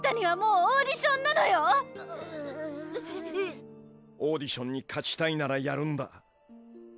オーディションに勝ちたいならやるんだ。